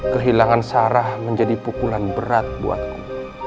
kehilangan sarah menjadi pukulan berat buatku